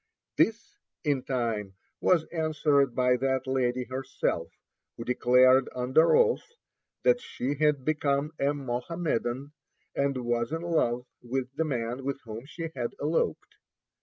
This, in time, was answered by that 78 Across Asia on a Bicycle [871 lady herself, who declared under oath that she had become a Mohammedan, and was in love with the man with whom she had eloped.